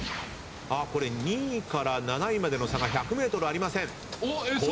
あっこれ２位から７位までの差が１００ｍありません混戦です。